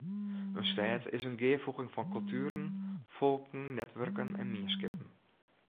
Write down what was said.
In stêd is in gearfoeging fan kultueren, folken, netwurken en mienskippen.